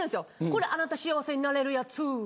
「これあなた幸せになれるやつ」